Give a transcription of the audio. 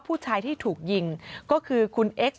ผู้ชายที่ถูกยิงก็คือคุณเอ็กซ